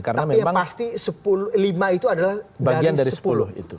tapi yang pasti lima itu adalah bagian dari sepuluh